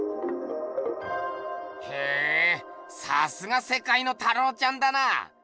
へぇさすがせかいの太郎ちゃんだな。